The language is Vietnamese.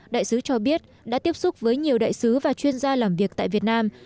đại sứ cho biết đã tiếp xúc với nhiều đại sứ và chuyên gia làm việc tại việt nam